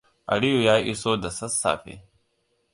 Aliyu ya iso da sassafe.